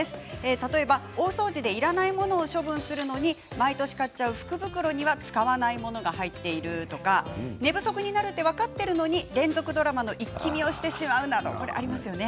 例えば大掃除でいらない物を処分するのに毎年買っちゃう福袋には使わないものが入っているとか寝不足になると分かっているのに連続ドラマの一気見をしてしまうなどありますよね。